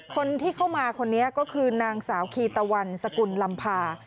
คนที่เข้ามาคนนี้ก็คือนางสาวคีตะวันสกุลลำพา